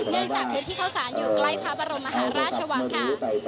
เนื่องจากที่เข้าสานอยู่ใกล้พระบรมหาราชวังค่ะ